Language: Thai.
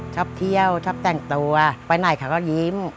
ชอบเที่ยวชอบแต่งตัวไปไหนเขาก็ยิ้ม